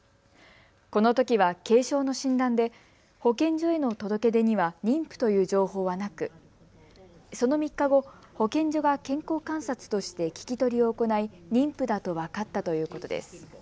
このときは軽症の診断で保健所への届け出には妊婦という情報はなくその３日後、保健所が健康観察として聞き取りを行い妊婦だと分かったということです。